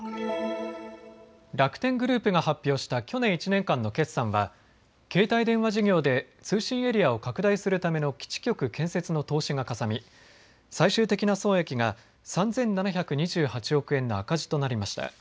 楽天グループが発表した去年１年間の決算は携帯電話事業で通信エリアを拡大するための基地局建設の投資がかさみ最終的な損益が３７２８億円の赤字となりました。